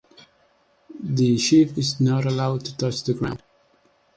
The sheaf is not allowed to touch the ground.